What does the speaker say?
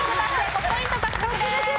５ポイント獲得です。